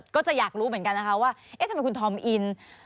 ก็จะอยากรู้เหมือนกันนะคะว่าเอ๊ะทำไมคุณธอมอิน